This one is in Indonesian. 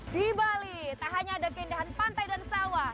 di bali tak hanya ada keindahan pantai dan sawah